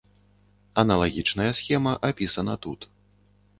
Аналагічная схема апісана тут.